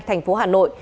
thành phố hà nội